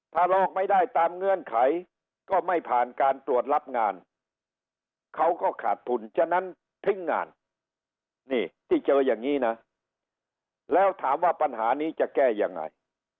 ถ้าหลอกไม่ได้ตามเงื่อนไขก็ไม่ผ่านการตรวจรับงานเขาก็ขาดทุนฉะนั้นทิ้งงานนี่ที่เจออย่างนี้นะแล้วถามว่าปัญหานี้จะแก้ยังไง